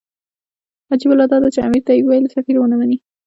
عجیبه لا دا چې امیر ته یې وویل سفیر ونه مني.